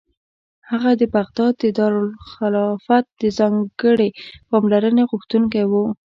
هغه د بغداد د دارالخلافت د ځانګړې پاملرنې غوښتونکی و.